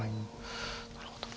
なるほど。